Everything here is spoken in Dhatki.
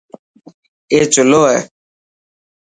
اي چلو هي.